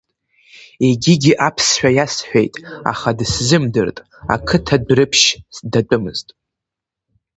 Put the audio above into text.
Егьигьы аԥсшәа иасҳәеит, аха дысзымдырт, ақыҭа Дәрыԥшь датәымызт.